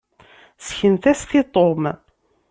Seknet-as-t i Tom.